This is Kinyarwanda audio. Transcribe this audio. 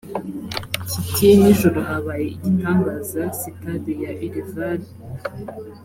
kiti nijoro habaye igitangaza sitade ya ulleval